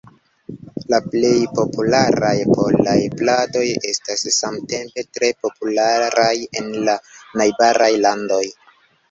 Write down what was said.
La plej popularaj polaj pladoj estas samtempe tre popularaj en la najbaraj landoj.